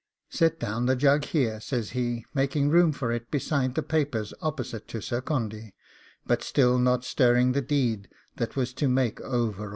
'Set down the jug here,' says he, making room for it beside the papers opposite to Sir Condy, but still not stirring the deed that was to make over all.